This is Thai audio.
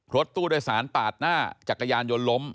รถตู้โดยสารปาดหน้าจักรยานยนต์ล้ม